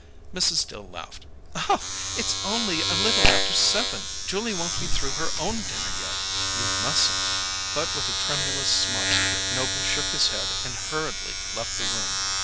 Mrs. Dill laughed. "It's only a little after seven. Julia won't be through her own dinner yet. You mustn't " But with a tremulous smile, Noble shook his head and hurriedly left the room.